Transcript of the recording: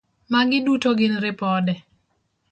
Magi duto gin ripode.